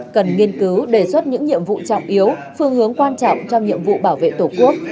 cần nghiên cứu đề xuất những nhiệm vụ trọng yếu phương hướng quan trọng trong nhiệm vụ bảo vệ tổ quốc